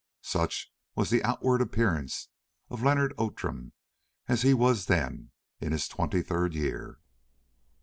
Such was the outward appearance of Leonard Outram as he was then, in his twenty third year.